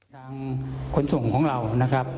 ขนส่งของเรานะครับ